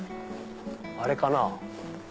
あれかな？